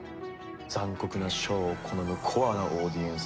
残酷なショーを好むコアなオーディエンス向けにな。